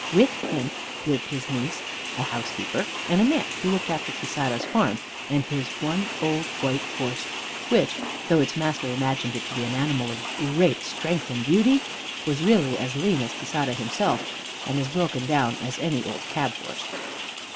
With him lived his niece, a housekeeper, and a man who looked after Quixada's farm and his one old white horse, which, though its master imagined it to be an animal of great strength and beauty, was really as lean as Quixada himself and as broken down as any old cab horse.